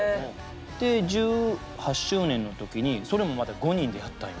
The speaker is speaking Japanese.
で１８周年の時にそれもまた５人でやったんよだから。